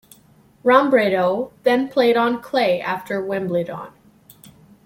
Robredo then played on clay after Wimbledon.